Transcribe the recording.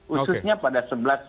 yang dibutuhkan itu ususnya pada